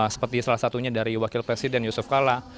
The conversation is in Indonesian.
seperti salah satunya dari wakil presiden yusuf kala